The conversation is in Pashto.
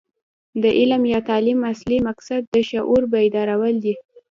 د علم یا تعلیم اصلي مقصد د شعور بیدارول دي.